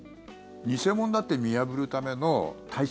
偽物だって見破るための対策